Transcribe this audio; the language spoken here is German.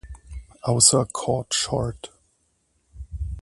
Außer "Caught Short!